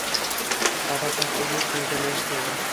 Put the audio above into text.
পাপা সব কিছু ছেড়ে চলে এসেছিল।